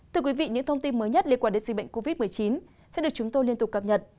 thưa quý vị những thông tin mới nhất liên quan đến dịch bệnh covid một mươi chín sẽ được chúng tôi liên tục cập nhật